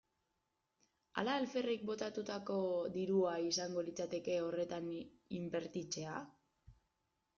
Ala alferrik botatako dirua izango litzateke horretan inbertitzea?